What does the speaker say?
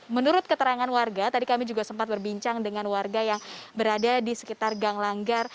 menurut keterangan warga tadi kami juga sempat berbincang dengan warga yang berada di sekitar gang langgar